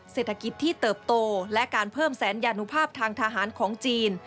เศรษฐกิจที่เติบโตและการเพิ่มแสนยานุภาพทางทหารของจีน